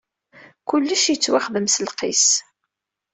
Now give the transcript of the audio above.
Kullec yettwaxdem s lqis.